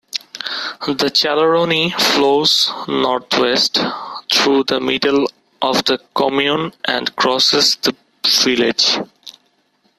The Chalaronne flows northwest through the middle of the commune and crosses the village.